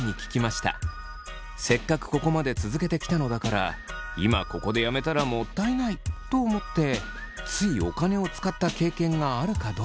せっかくここまで続けてきたのだから今ここでやめたらもったいないと思ってついお金を使った経験があるかどうかです。